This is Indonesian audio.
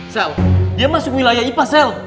sel dia masuk wilayah ipa sel